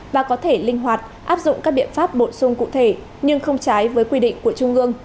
và có thể linh hoạt áp dụng các biện pháp bổ sung cụ thể nhưng không trái với quy định của trung ương